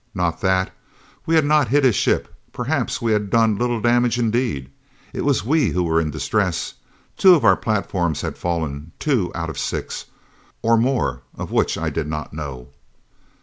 Not that! We had not hit his ship; perhaps we had done little damage indeed! It was we who were in distress. Two of our platforms had fallen two out of six. Or more, of which I did not know.